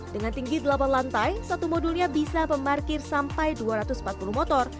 dengan tinggi delapan lantai satu modulnya bisa memarkir sampai dua ratus empat puluh motor